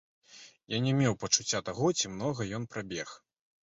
Ён не меў пачуцця таго, ці многа ён прабег.